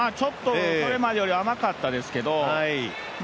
これまでよりも甘かったですけど。